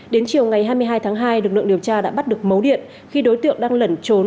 đến chiều ngày hai mươi hai tháng hai lực lượng điều tra đã bắt được mấu điện khi đối tượng đang lẩn trốn